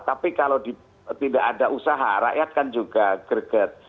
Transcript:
tapi kalau tidak ada usaha rakyat kan juga greget